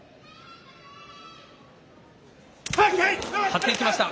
張っていきました。